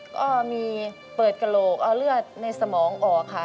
ก็มีเปิดกระโหลกเอาเลือดในสมองออกค่ะ